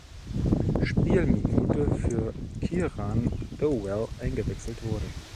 Spielminute für Kieran Dowell eingewechselt wurde.